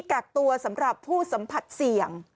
กักตัวสำหรับผู้สัมผัสเสี่ยง